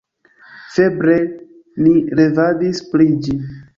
Febre ni revadis pri ĝi.